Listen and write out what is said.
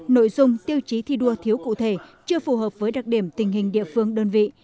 nội dung tiêu chí thi đua thiếu cụ thể chưa phù hợp với đặc điểm tình hình địa phương đơn vị